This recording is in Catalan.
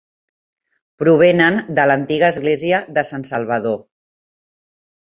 Provenen de l'antiga església de Sant Salvador.